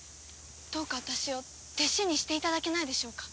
どうか私を弟子にしていただけないでしょうか？